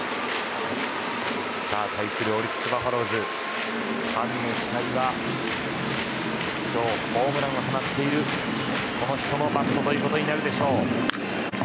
対するオリックス・バファローズファンの期待は今日、ホームランを放っているこの人のバットとなるでしょう。